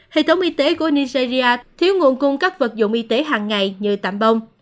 hệ thống y tế của nigeria thiếu nguồn cung các vật dụng y tế hàng ngày như tạm bong